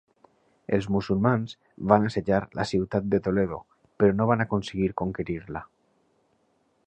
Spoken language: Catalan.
Els musulmans van assetjar la ciutat de Toledo, però no van aconseguir conquerir-la.